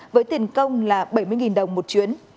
với tiền công là bảy mươi đồng một chuyến